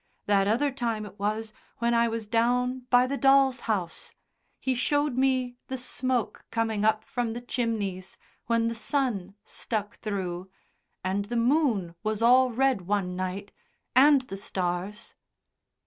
That other time it was when I was down by the doll's house. He showed me the smoke coming up from the chimneys when the sun stuck through, and the moon was all red one night, and the stars."